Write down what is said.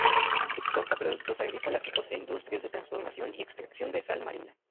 Exporta productos agrícolas y posee industrias de transformación y extracción de sal marina.